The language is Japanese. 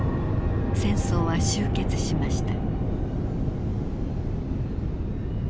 戦争は終結しました。